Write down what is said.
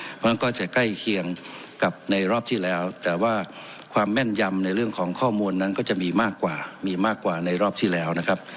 เพราะฉะนั้นก็จะใกล้เคียงกับในรอบที่แล้วแต่ว่าความแม่นยำในเรื่องของข้อมูลนั้นก็จะมีมากกว่ามีมากกว่าในรอบที่แล้วนะครับ